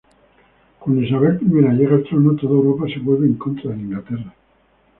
Cuando Isabel I llega al trono, toda Europa se vuelve en contra de Inglaterra.